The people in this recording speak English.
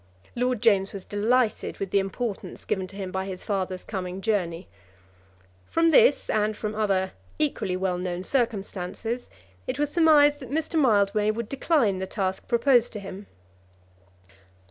Lord James was delighted with the importance given to him by his father's coming journey. From this, and from other equally well known circumstances, it was surmised that Mr. Mildmay would decline the task proposed to him.